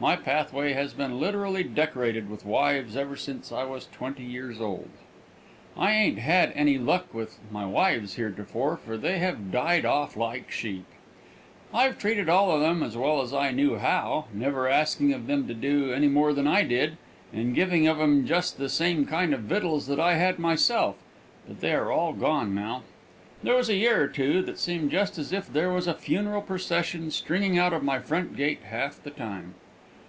My pathway has been literally decorated with wives ever since I was twenty years old. "I ain't had any luck with my wives heretofore, for they have died off like sheep. I've treated all of them as well as I knew how, never asking of them to do any more than I did, and giving of 'em just the same kind of vittles that I had myself, but they are all gone now. There was a year or two that seemed just as if there was a funeral procession stringing out of my front gate half the time.